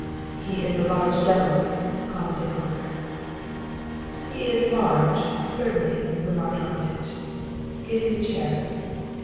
"He is a large devil," commented Oscar. "He is large, certainly," remarked Armitage. "Give him a chair.